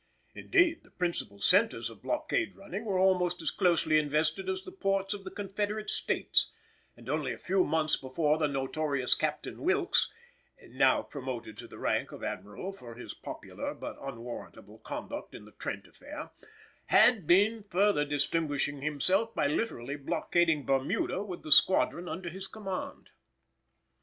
Indeed, the principal centres of blockade running were almost as closely invested as the ports of the Confederate States, and only a few months before the notorious Captain Wilkes (now promoted to the rank of Admiral for his popular but unwarrantable conduct in the Trent affair) had been further distinguishing himself by literally blockading Bermuda with the squadron under his command.